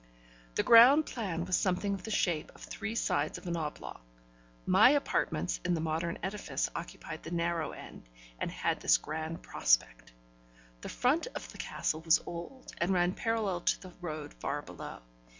The ground plan was something of the shape of three sides of an oblong; my apartments in the modern edifice occupied the narrow end, and had this grand prospect. The front of the castle was old, and ran parallel to the road far below.